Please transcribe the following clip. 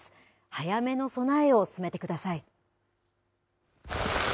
早めの備えを進めてください。